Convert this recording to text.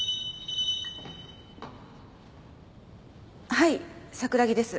はい櫻木です。